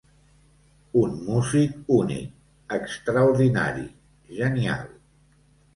Un músic únic, extraordinari, genial.